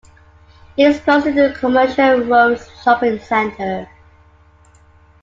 It is close to the Commercial Road shopping centre.